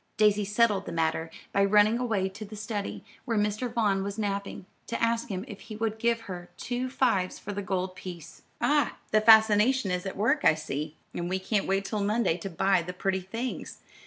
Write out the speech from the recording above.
Daisy settled the matter by running away to the study, where Mr. Vaughn was napping, to ask him if he would give her two fives for the gold piece. "Ah! the fascination is at work, I see; and we can't wait till Monday to buy the pretty things.